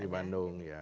di bandung ya